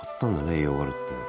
栄養があるって。